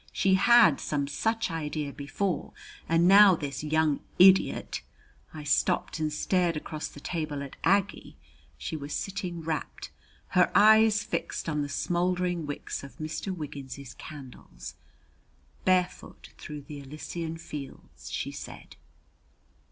"She had some such idea before, and now this young idiot " I stopped and stared across the table at Aggie. She was sitting rapt, her eyes fixed on the smouldering wicks of Mr. Wiggins's candles. "Barefoot through the Elysian fields!" she said.